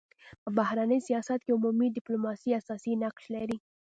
په بهرني سیاست کي عمومي ډيپلوماسي اساسي نقش لري.